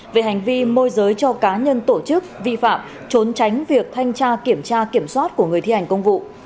về hành vi môi giới cho cá nhân tổ chức vi phạm trốn tránh việc thanh tra kiểm tra kiểm soát của người thi hành công vụ